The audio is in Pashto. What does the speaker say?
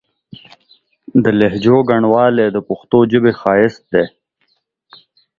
د لهجو ګڼوالی د پښتو ژبې ښايست دی.